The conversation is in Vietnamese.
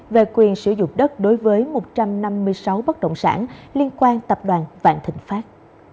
về quyền sử dụng đất đối với một trăm năm mươi sáu bất động sản liên quan tập đoàn vạn thịnh pháp